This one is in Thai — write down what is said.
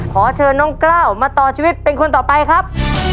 ขอเชิญน้องกล้าวมาต่อชีวิตเป็นคนต่อไปครับ